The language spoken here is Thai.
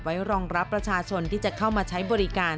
รองรับประชาชนที่จะเข้ามาใช้บริการ